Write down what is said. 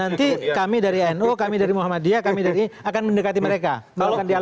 nanti kami dari no kami dari muhammadiyah kami dari ini akan mendekati mereka